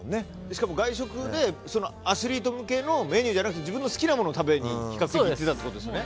しかも外食でアスリート向けのメニューじゃなくて自分の好きなものを食べに比較的行ってたわけですよね。